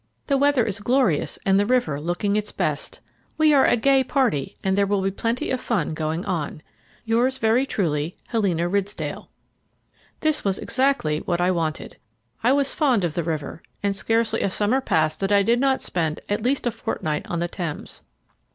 The weather is glorious and the river looking its best. We are a gay party, and there will be plenty of fun going on. "Yours very truly, "Helena Ridsdale." This was exactly what I wanted. I was fond of the river, and scarcely a summer passed that I did not spend at least a fortnight on the Thames.